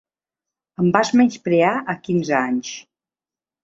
Em vas menysprear a quinze anys.